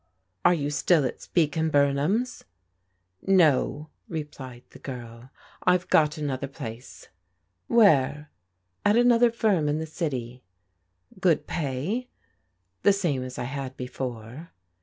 " Are you still at Speke and Bumham's? "" No," replied the girl. " I've got another place." "Where?" " At another firm in the city." "Good pay?" " The same as I had before."